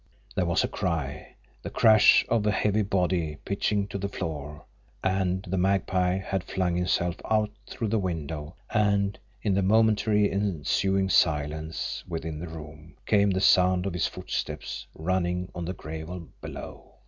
There was a cry, the crash of a heavy body pitching to the floor and the Magpie had flung himself out through the window, and in the momentary ensuing silence within the room came the sound of his footsteps running on the gravel below.